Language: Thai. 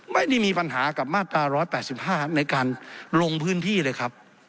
ไม่ได้มีปัญหากับมาตรา๑๘๕ในการลงพื้นที่เลยครับ